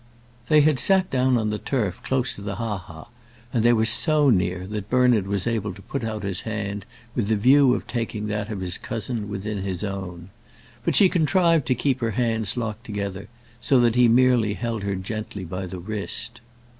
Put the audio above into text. They had sat down on the turf close to the ha ha, and they were so near that Bernard was able to put out his hand with the view of taking that of his cousin within his own. But she contrived to keep her hands locked together, so that he merely held her gently by the wrist.